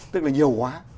tức là nhiều quá